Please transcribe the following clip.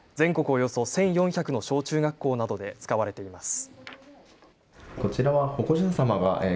およそ１４００の小中学校などで使われています。